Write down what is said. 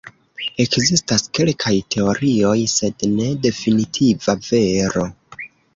Ekzistas kelkaj teorioj, sed ne definitiva vero.